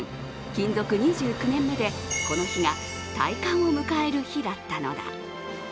勤続２９年目でこの日が退官を迎える日だったのだ。